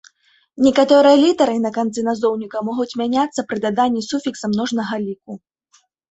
Некаторыя літары на канцы назоўніка могуць мяняцца пры даданні суфікса множнага ліку.